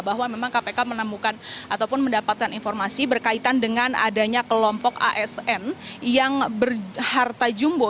bahwa memang kpk menemukan ataupun mendapatkan informasi berkaitan dengan adanya kelompok asn yang berharta jumbo